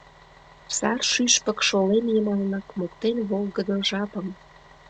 Сар шӱшпык шолем йымалнак моктен волгыдо жапым.